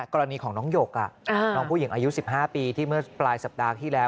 กรณีของน้องหยกน้องผู้หญิงอายุ๑๕ปีที่เมื่อปลายสัปดาห์ที่แล้ว